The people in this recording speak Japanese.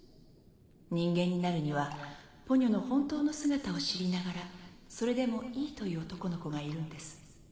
人間になるにはポニョの本当の姿を知りながらそれでもいいという男の子がいるんです。